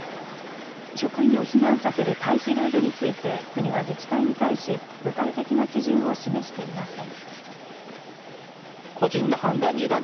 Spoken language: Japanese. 職員を避難させる退避ルールについて国は自治体に対し具体的な基準を示していません。